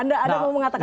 anda mau mengatakan itu